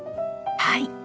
はい。